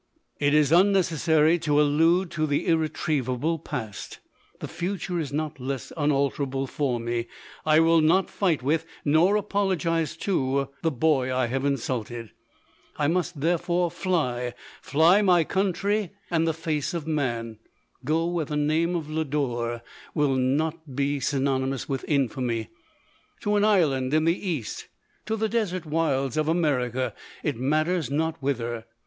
" It is unnecessary to allude to the irretrievable past. The future is not less unalterable for me. I will not fiidn with, nor apologize to, the boy I have insulted ; I must therefore fly — fly my country and the 152 LODORE. . face of man ; go where the name of Lodore will not be synonymous with infamy — to an island in the east — to the desert wilds of Ame rica — it matters not whither.